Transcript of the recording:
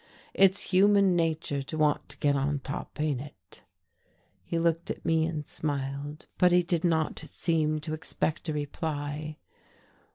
It's human nature to want to get on top ain't it?" He looked at me and smiled, but he did not seem to expect a reply.